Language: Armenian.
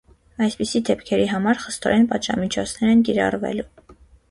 Այսպիսի դեպքերի համար խստորեն պատժամիջոցներ են կիրառվելու: